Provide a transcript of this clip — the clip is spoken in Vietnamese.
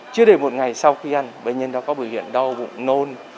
chưa để một ngày sau khi ăn bệnh nhân đã có bởi viện đau bụng nôn